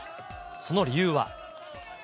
その理由は。